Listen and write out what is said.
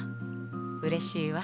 うれしいわ。